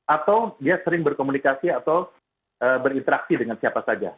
atau dia sering berkomunikasi atau berinteraksi dengan siapa saja